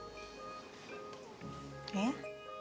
えっ？